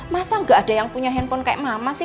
masa gak ada yang punya handphone kayak mama sih